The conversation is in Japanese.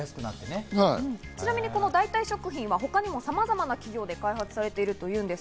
代替食品は他にもさまざまな企業で開発されているというんです。